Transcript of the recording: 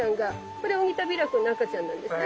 これオニタビラコの赤ちゃんなんですね。